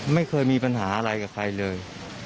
ไม่เคยมีปัญหาอะไรกับใครเลย